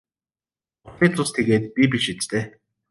Бурхны цус тэгээд би биш биз дээ.